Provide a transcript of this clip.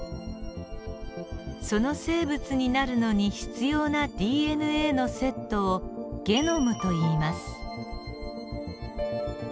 その生物になるのに必要なＤＮＡのセットをゲノムといいます。